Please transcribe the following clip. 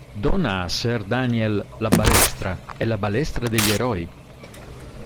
Dona a Sir Daniel la "Balestra" e la "Balestra degli Eroi".